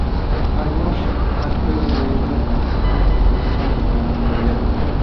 Algunos aspectos de esta constitución permanecen en la actualidad.